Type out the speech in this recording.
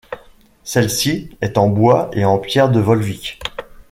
Celle-ci est en bois et en pierre de Volvic.